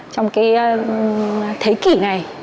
trong thế kỉ này